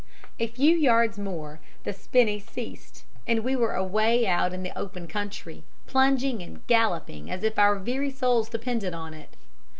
A few yards more the spinney ceased, and we were away out in the open country, plunging and galloping as if our very souls depended on it.